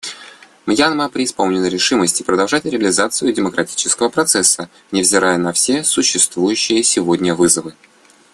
Мьянма преисполнена решимости продолжать реализацию демократического процесса, невзирая на все существующие сегодня вызовы.